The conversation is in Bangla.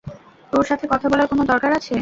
তোর সাথে কথা বলার কোনো দরকার আছে?